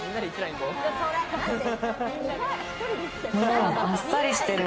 あっさりしてる。